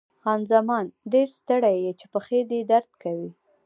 خان زمان: ډېر ستړی یې، چې پښې دې درد کوي؟